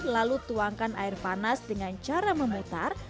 lalu tuangkan air panas dengan cara memutar